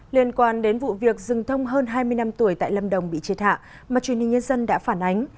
liên quan đến vụ việc rừng thông hơn hai mươi năm tuổi tại lâm đồng bị chết hạ mà truyền hình nhân dân đã phản ánh